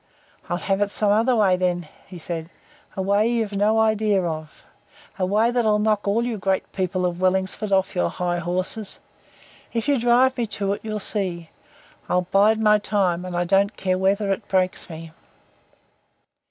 "I'll have it some other way, then," he said. "A way you've no idea of. A way that'll knock all you great people of Wellingsford off your high horses. If you drive me to it, you'll see. I'll bide my time and I don't care whether it breaks me."